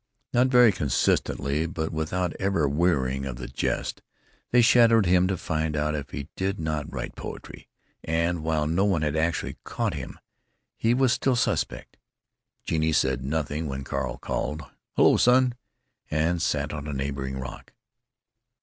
Not very consistently, but without ever wearying of the jest, they shadowed him to find out if he did not write poetry; and while no one had actually caught him, he was still suspect. Genie said nothing when Carl called, "H'lo, son!" and sat on a neighboring rock.